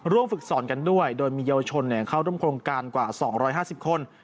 ฝึกสอนกันด้วยโดยมีเยาวชนเข้าร่วมโครงการกว่า๒๕๐คน